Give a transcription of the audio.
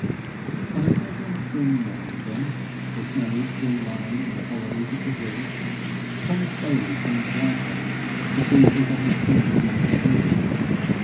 On a certain spring morning, then, the snow still lying in the hollows of the hills, Thomas Bayly came to Wyfern to see his old friend Matthew Herbert.